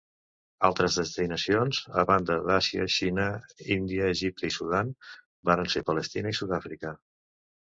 Altres destinacions, a banda d'Àsia, Xina, Índia, Egipte i Sudan, varen ser Palestina i Sud-àfrica.